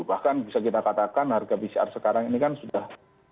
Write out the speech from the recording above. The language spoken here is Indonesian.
bahkan bisa kita katakan harga pcr sekarang ini kan sudah sebelas dua belas